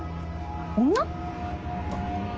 女？